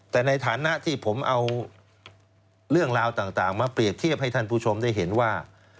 แต่ในฐานะที่ผมเอาเรื่องราวต่างมาเปรียบเทียบให้ท่านผู้ชมได้เห็นว่า